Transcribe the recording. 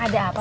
ada apa pak